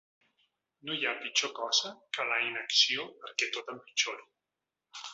No hi ha pitjor cosa que la inacció perquè tot empitjori.